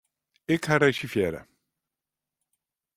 Ik ha reservearre.